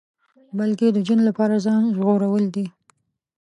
بلکې د ژوند لپاره ځان ژغورل دي.